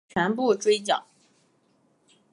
案发后赃款赃物已全部追缴。